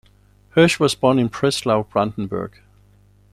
Hirsch was born in Prenzlau, Brandenburg.